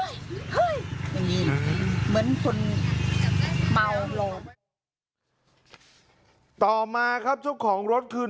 อย่างงี้เหมือนคุณเมาโหลต่อมาครับช่วงของรถคือ